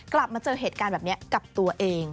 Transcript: กลับมาเจอเหตุการณ์แบบนี้กับตัวเอง